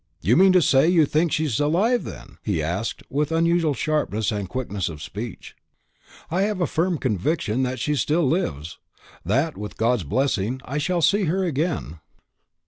You mean to say you think she's alive, then?" he asked, with unusual sharpness and quickness of speech. "I have a firm conviction that she still lives; that, with God's blessing, I shall see her again."